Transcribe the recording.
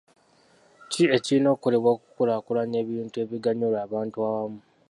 Ki ekirina okukolebwa okukulaakulanya ebintu ebiganyulwa abantu awamu.